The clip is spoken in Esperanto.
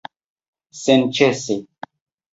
Senĉese!